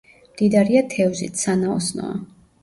მდიდარია თევზით, სანაოსნოა.